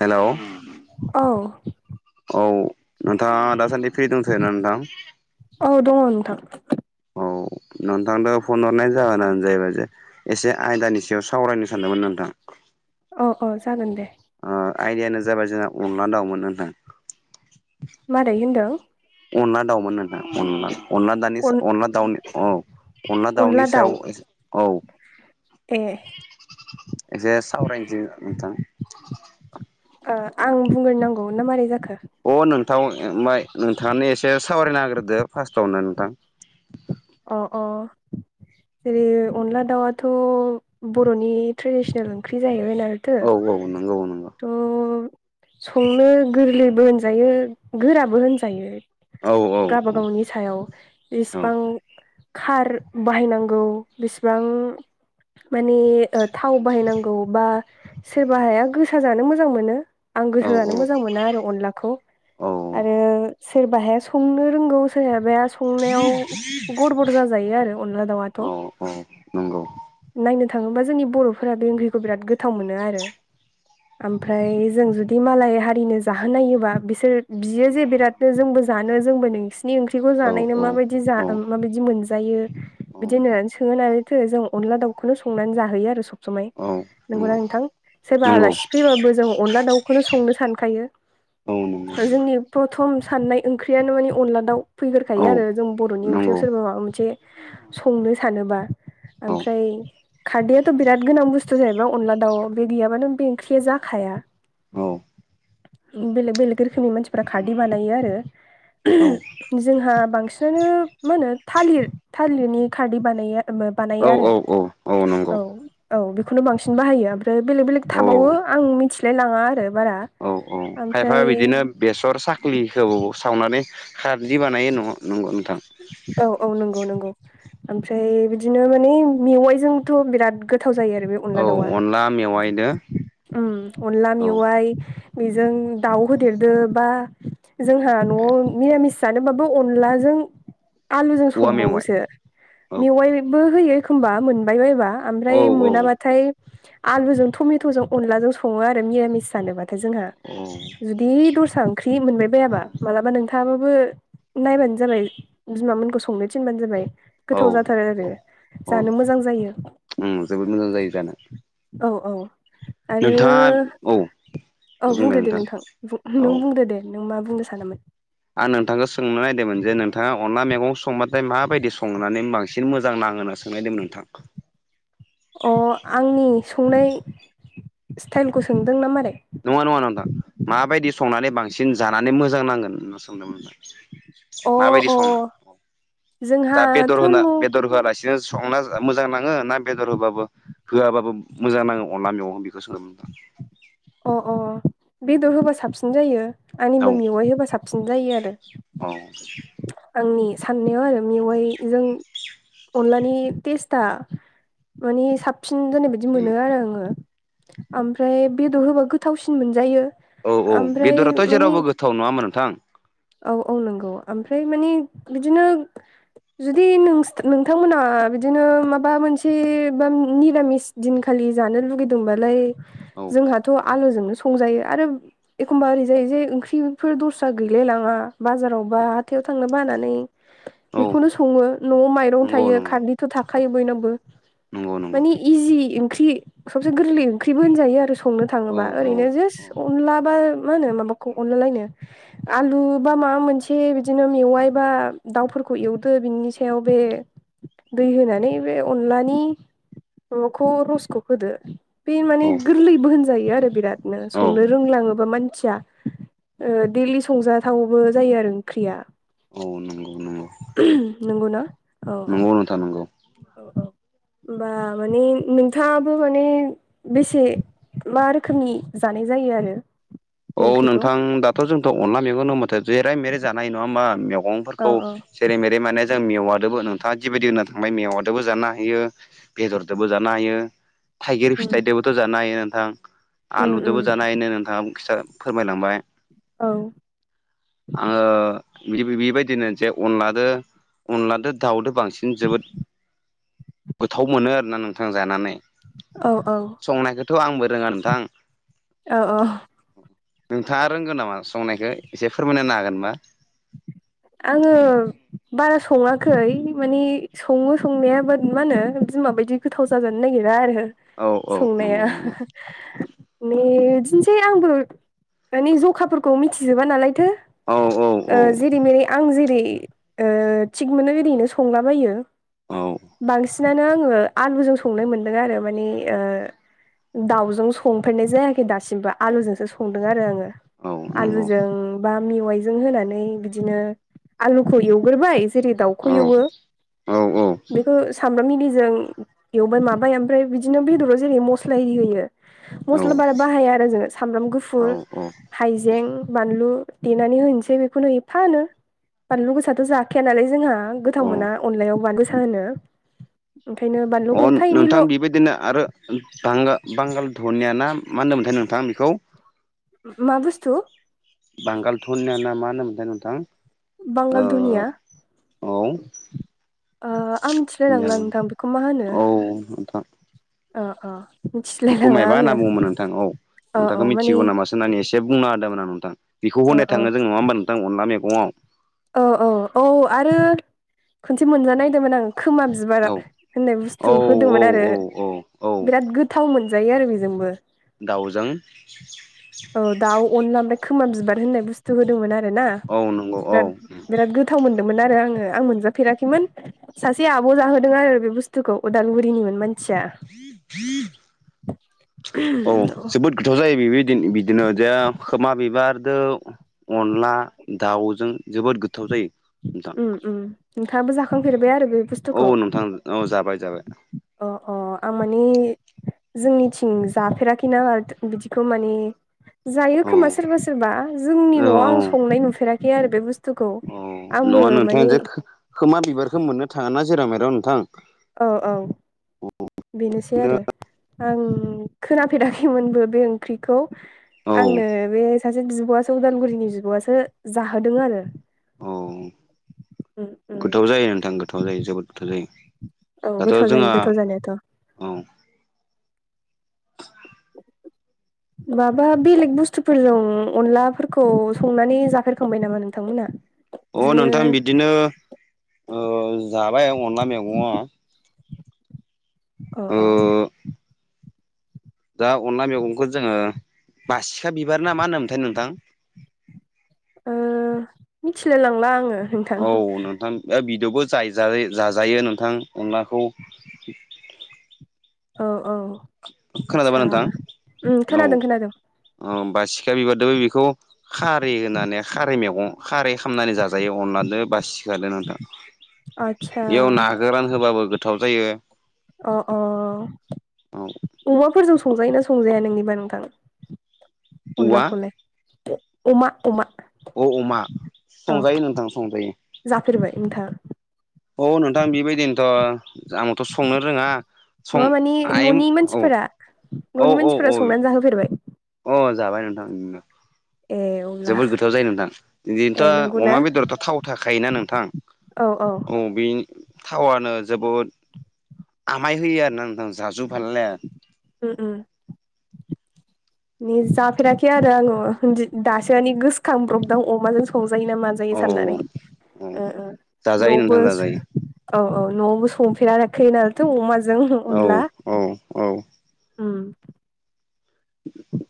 हेल' औ औ नोंथाङा दासान्दि फ्रि दंथ' ना नोंथां औ द अथ औ नोंथांनो फन हरनाय जाबोनानो जाहैबाय जे एसे आयदानि सायाव सावरायनो सानदोंमोन नोंथां। अ अ जागोन दे आयदिियानो जाबाय जोंहा अनला दाउमोन नथां मादै होनदों अनला दाउमोन नदा अनला अनला दानि अनला दाउनि औ अनला दाउनि अन-अनला सायाव औ द एसे सावरायनोस नोंथां आं बुंग्र नांगौ ना मारै जाखो अ नोंथां ओमफ्राय नोंथाङानो एसे सावरायनो नाग्रोदो फार्स्टआवनो नोंथां अ अ जेरै अनला दाउआथ' बर'नि ट्रेडिसनेल ओंख्रि जाहैयोमोन आरोखि द औ औ नंगौ नंगौ थ' संनो गोरलैबो होनजायो गोराबो होनजायो औ औ गावबागावनि सायाव औ जसिबां कार बाहायनांगौ बेसिबां माने थाव बाहायनांगौ बा सोरब हाया गोसा जानो मोजां मोनो आं गोसा औ जानो मोजां मोना आरो अनलाखौ औ आरो सोरबाहाया संनो रोंगौ सोरहाबाया ह गुर बुरजा जायो आरो अनला दामाथ' औ नंगौ नायनो थाङोबा जोंनि बर'फोरा बे ओंख्रिखौ बिराद गोथाव मोनो आरो [unintelligible] ओमफ्राय जों जुदि मालाय हारिनो जाहोनोबा बिसोर बियो जे बिराद जोंबो जानो जोंबो नोंसिोरनि ओंख्रिखौ औ जानायनो औ माबायदि जा औ माबायदि मोनायो औ बिदिनो सोंथो जों अनदला दाउखौनो संनानै जाहयो आरो स। समाय औ नंगौना नोंथां? सोरबा नंगौ आलासि फैबाबो जों अनला दाउखौनो संनो सानखायो औ नंगौ जोंनि प्रथम साननाय ओंख्रियानो माने अनदला दाउ फैग्रोखायो आरो जों बर'नि ओंख्रि फियाव नंगौ सोरबा माबा मोनसे संनो सानोबा औ ओमफ्राय खारदैआथ' बिराद गोनां बुस्थु जाहैबाय अनदला दाउ बे गैयाबानो बे ओंख्रिया जाखाया औ बेलेग बेलेग रोखोमनि मानसिफ्रा खारदि बानायो आरो औ जोंहा बांसिनानो मा होनो थालिर थालिरनि खारदै बानायो औ बानायो आरो औ औ नंगौ औ औ बेखौनो बांसिन बाहायो ओमफ्राय बेलेक बेलेक औ थाबावो आं मिथिलाय लाङा आरो बारा औ औ खायफा ओमफ्राय बिदिनो बेसर साख्रि होबावो सावनानै खारजि बानायो न नंगौ नोंथां औ औ नंगौ नंगौ ओमफ्राय बिदिनो माने मेवाइजोंथ' बिराद गोथाव जायो आरो बेयाव औ अनला अनला मेवाइनो दाउया अनला औ मेवाइ बेजों दाउ होदेरदो बा जोंहा न'आव निरामिस जानोबाबो अनलाजों आलुजों औवा मेवाइ संबावोसो औ मेवाइबो होयो एखमबा मोनबाय बायोबा औ ओमफ्राय मोनाब्लाथाय आलुजों टमेट'जों अनलाजों सङो आरो निरामिस जानोब्लाथाय थाय जोंहा जु जि दस्रा ओंख्रि मोनबाय बायाबा मालाबा नोंथाङाबाबो नायबानो जाबाय बिमामोनखौ संनो थिनबानो जाबाय औ गोथाव जाथारो आरो जानो मोजां जायो ओं जोबोद मोजां जायो जानो औ औ आरो नोंथाङा औ औ बुंदो दे नोंथां औ नों बुंदो दे नों मा बुंनो सानोमोन आं नोंथांखौ सोंनो नायिरदोंमोन जे नोंथाङा अनला मैगं संबाथाय माबायदि संनानै बांसिन मोजां नाङोना सों सोंनायदोंमोन नोंथां अ आंनि संनाय स्टाइलखौ सोंदों ना मारै नङा नङा नोंथां माबायदि संनानै बांसिन जानानै मोजां नांगोन होनना सोंदोंमोन नोंथां अ माबायदि अ संना दा बेदर जोंहाथ' होना न' बेदर होआलासिनो संना मोजां नाङो ना बेदर होबाबो होआबाबो मोजां नाङो अनला मेगं बेखौ सोंदोंमोन नोथां अ अ बेदर होबा साबसिन जायो औ आंनिबो मेवाइ होबा साबसिन जायो आरो औ आंनि साननायाव आरो मेवाइजों अनलानि तेस्था मानि साब साबसिन जानाय बायदि मोनो आरो आङो ओमफ्राय बेदर होबा गोथावसिन मोनजायो औ औ ओमफ्राय बेदराथ' माने जेरावबो गोथाव नङाहोनबा नोंथां औ औ नंगौ ओमफ्राय मानि बिदिनो जुदि नों नोंथांमोनहा बिदिनो माबा मोनसे बा निरामिस दिनखालि जानो लुुबैदोंबालाय औ जोंहाथ' आलुजोंनो सं संजायो आरो एखमबा ओरैजायो जे ओंख्रिफोर दस्रा गैलाय लाङा बाजारावबा हाथथायाव थांनो बानानै औ बेखौनो सङो न'आव माइरं नंगौ थायो नंगौ खारदै थ' थाखायो बयनावबो नंगौ नंगौ मानि इजि ओंख्रि सबसे गोरलै ओंख्रिबो होनजायो आरो स संनो औ थाङोबा औ ओरैनो जास्ट औ अनला बा मा होनो माबाखौ अनला लायनो आलु बा माबा मोनसे बिदि बिदिनो मेवाइ बा दाउफोरखौ एवदो बिनि सायाव बे दै होनानै बे अनलानि माबाखौ रसखौ होदो। बे माने औ गोरलै बो होनजायो आरो बिरादनो औ संनो। रोंलाङोबा मानसिया ओ दैलि संजाथावबो जायो आरो ओंख्रिया। औ नंगौ नंगौ। नंगौ ना औ औ नंगौ नोंथां नंगौ औ औ। होमबा माने नोंथाङाबो माने बेसे मा रोखोमनि जानाय जायो आरो। बे औ ओंख्रिखौ नोंथां दाथ' जोंथ' अनला मैगं द माथो जेराय मेरै जानो हायो नङा होमबा औ मैगंफोरखौ औ जेरै मेरै माने जों मेवा दोबो नोंथाङा जिबायदि होनना थांबाय मेवआदोबो जानो हायो बेदरदोबो जानो हायो थाइगिर उम फिथाइदोबोथ' जानो हायो नोंथां उम उम आलुजोंबो जानो हायोनो नोंथां फिसा फोरमायलांबाय औ आङो बेबायदिनो जे अनला लादो अनलादो दाउदो बांसिन जोबोद गोथाव मोनो आरोना नोंथां जानानै। औ औ संनायखौथ' आंबो रोङा नोंथां। औ अं नोंथाङा रोंगौ नामा संनायखौ एसे फोरमायना हागोनबा। आङो बारा सङाखै। मानि सङो संनायाबा मा होनो बिमाबायदि गोथाव जाजानो नागिरा आरो औ औ संनाया। नंगौ नंगौ माने बिदिनोसै आंबो माने जखाफोरखौ मिथिजोबा नालायथो औ औ जेरै मेरै। आं जेरै थिग मोनो ओरैनो संलाबायो। औ बांसिनानो आङो आलुजों संनो मोनदों आरो मानि ओ दावजों संफेरनाय जायाखै दासिमबो आलुजोंसो संदों आरो आङो। औ नंगौ आलुजों बा मेवाइजों होनानै बिदिनो आलुखौ एवग्रोबाय जेरै औ दाउखौ एवो। औ औ बेखौ सामब्राम इलिजों एवबाय माबाय ओमफ्राय बिदिनो बेदराव जेरै मस्ला इरि होयो। औ मस्ला बारा बाहाया आरो जोङो सामब्राम गुफुर औ हाइजें बानलु देनानै होनोसै बेखौनो एफानो। बानलु गोसाथ' जाखाया नालाय जोंहा औ गोथाव मोना अ अनलायाव बानलु स होनो ओंखायनो। बानलुखौ अ एफा नोंथां एनैल' बेबायदिनो आरो बांगाल बांगाल धनिया ना मा होनदों मोनथाय नोंथां बेखौ? मा बुस्थु? बांगाल धनियाना मा होनदों मोन्थाय नोंथां। ओ बांगाल धनिया? औ आं मिथिलायलांला नोंथां बेखौ मा होनो। अ नों थां। अ अ बेखौ मिथिलायलाङा मायबा होनना आङो बुङोमोन नोंथां औ औ औ नोंथांखौ माने मिथिगौ नामा सान होननानै एसे बुंना होदोंमोन नोंथां बेखौ औ होनाय औ थाङो जों नङा होमबा नोंथां अनला मैगङाव? औ औ औ आरो खनसे मोनजानायदोंमोन आं खोमा बिबार औ होननाय औ बुस्थु औ होदोंमोन आरो औ औ औ बिराद गोथाव मोनजायो आरो बेजोंबो। दाउजों औ दाउ अनला ओमफ्राय खोमा बिबार होननाय बुस्थु होदोंमोन आरो ना। औ नोंगौ बिराद बिराद गोथाव मोनदोंमोन आरो आंङो आं मोनजाफेराखैमोन सासे आब' जाहोदों आरो बे बुस्थुखौ अदालगुरिनिमोन मानसि आसा औ [unintelligible] जोबोद गोथाव जायोदि बिदिनो जे ख मा बिबारजों अनला दाउजों जोबोद गोथाव जायो नोंथां उ नोंथाङाबो जाखांफेरबाय आरो बे बुस्थु औ नोंथां औ जाबाय जाबाय अ अ आं मानि जोंनिथिं जाफेराखैना बिदिखौ माने जायो औ खोमा सोरबा सोरबा जोंनि औ न'आव आं औ संनाय नुफेराखै आरो बे बुस्थु बुस्थुखौ औ आंबो नङा नोंथाङा मानि जे खोमा बिबारखौ मोननो थाङा ना जेराव मेराव नोंथां। औ औ बेनोसै बिदिनो आरो आं खोनाफेराखैमोनबो बे ओंख्रिखौ। औ आंनो बे सासे बिब'आसो उदालगुरिनि बिब'आसो जाहोदों आरो। औ उम उम गोथाव जायो नोंथां गोथाव जायो जोबोद गोथाव जायो औ दाथ गोथाव जायो जोंहा गोथाव जानायाथ' औ माबा बेलेग बुस्थुफोरजों अनलाफोरखौ संनानै जाफेरखांबाय नामा नोंथांमोना अ बिदिनो नोंथां बिदिनो जाबाय अनला मैगङ अ अ। दा अनला मैगंखौ जोंङो बासिखा बिबार ना मा होनोमोनथाय नोंथां। मिथिलाय लांला आंङो। औ नोंथां बिदि'बो ज जाजायो नोंथां अनलाखौ। औ औ खोनादोंबा आस्सा नोंथां खोनादों खोनादों। अ बा सिखा बिबारदोंबो बेखौ खारै होनानै खारै मैगं खारै खामनानै जाजायो अनलाजों बासिखादो नोंथां। आदसा बेयाव ना गोरान होबाबो गोथाव जायो। अ अ औ अमाफोरजों। संजायोोना संजाया नोंनिबा नोंथां औवा अनलाखौलाय? अमा अमा। अ अमा औ संजायो नोंथां संजायो। जाफेरबाय नोंथाङा। औ नोंथां बेबायदिनोथ' आंङोथ' संनो रोङा सं नङा मानि आय न'नि औ मानसिफोरा न'नि मानसिफोरा संनानै जाहोफेरबाय अह जाबाय नोंथां ए। अब्ला जोबोद गोथाव जायो नोंथां ए दिनोथ' नंगौना अमा बेदरथ' थाव थाखायोना नोंथां। औ औ अ बे थावानो जोबोद आमाय होयो आर ना नोंथां जाजुफाललाया उम जाफेराखै आरो आंङो दासो मान गोसोखांब्रबदां अमाजों संजायो नामा? जायो औ साननानै औ जाजायो नबो नोंथां जाजायो औ औ न'आवबो संफेराखै नालथ' अमाजों औ अनला। औ औ उम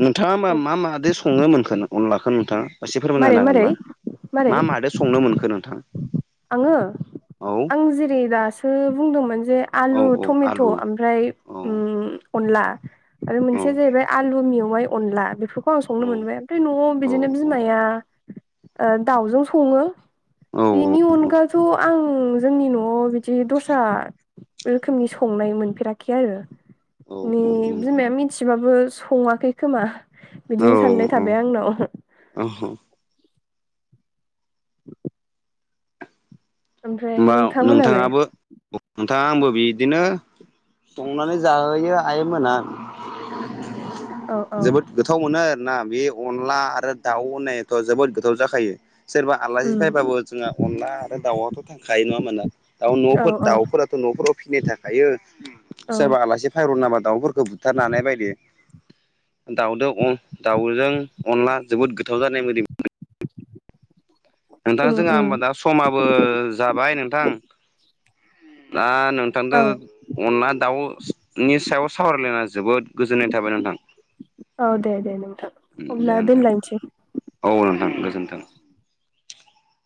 नोंथाङा मा मा मादै सङोमोनखोन अनलाखो नोंथाङा? एसे फोरमायनो मारै मारै नांगोनबा मारै मा मादो संनो मोनखो नोंथां? आङो? औ आं जेरै दासो बुंदोंमोन जे औ आलु औ टमेट' आलु ओमफ्राय औ उम अनला आरो औ मोनसेया जाहैबाय आलु मेवाइ अनला बेफोरखौ आं संनो मोनबाय ओमफ्राय नआव औ औ बिदिनो बिमाया दाउजों सङो। औ बेनि होमबा अनगाथ' आं जोंनि न'आव बिदि दस्रा रोखोमनि संनाय मोनफेराखै आरो ने बिमाया मि एसेबाबो सङाखै खोमा बिदिनो साननाय थाबाय आंनाव। अह ओमफ्राय होमबा नोंथांमोनालाय नोंथाङाबो नोंथाङा आंबो बिदिनो संनानै जाहोयो आइ मोना औ औ जोबोद गोथाव मोनो आर ना बे अनला आरो दाउ होननायाथ जोबोद गोथाव जाखायो। सोरबा आलासि उम फैबाबो जोंहा अनला आरो दाउआथ' थांखायो नङा मोना दाउ औ न'फोर औ दाउफोर थ नफोराव फिसिनाय थाखायो। औ सोरबा आलासि फायरन नाबा दाउफोरखौ बुथारनानै बायदि दाउद दाउजों अनला जोबोद गोथाव जानाय मोदै नोंथां उम जोंहा उम होमबा दा समाबो जाबाय नोंथां। [unintelligible] नोंथांगो औ अनला दाउनि सायाव सावरायलायना जोबोद गोजोननाय थाबाय नोंथां। औ दे दे नोंथा दे नोंथां औ नोंथां गोजोनथों।